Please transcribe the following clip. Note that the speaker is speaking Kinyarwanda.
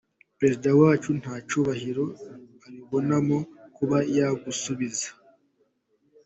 Perezida wacu nta cyubahiro abibonamo kuba yagusubiza.